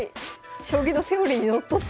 将棋のセオリーにのっとってる。